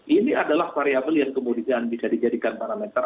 ini adalah variabel yang kemudian bisa dijadikan parameter